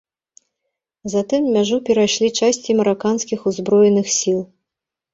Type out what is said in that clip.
Затым мяжу перайшлі часці мараканскіх ўзброеных сіл.